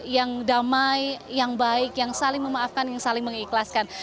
yang damai yang baik yang saling memaafkan yang saling mengikhlaskan